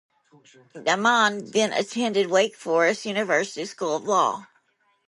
Dimon then attended Wake Forest University School of Law.